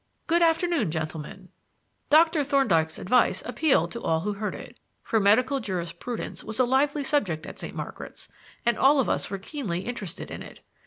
Good afternoon, gentlemen." Dr. Thorndyke's advice appealed to all who heard it, for medical jurisprudence was a live subject at St. Margaret's, and all of us were keenly interested in it.